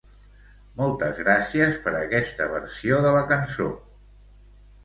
Moltes gràcies per aquesta versió de la cançó.